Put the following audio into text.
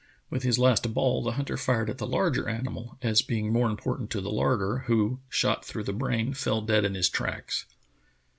With his last ball the hunter fired at the larger animal, as being more important to the larder, who, shot through the brain, fell dead in his tracks.